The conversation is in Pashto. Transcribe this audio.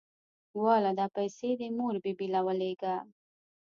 واله دا پيسې دې مور بي بي له ولېږه.